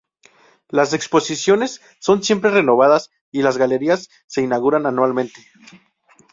Las exposiciones son siempre renovadas y las galerías se inauguran anualmente.